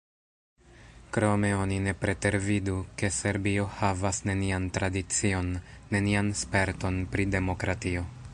Krome oni ne pretervidu, ke Serbio havas nenian tradicion, nenian sperton pri demokratio.